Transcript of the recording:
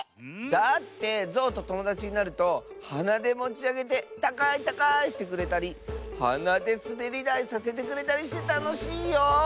だってゾウとともだちになるとはなでもちあげてたかいたかいしてくれたりはなですべりだいさせてくれたりしてたのしいよ。